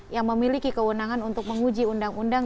yang memiliki kewenangan untuk menguji undang undang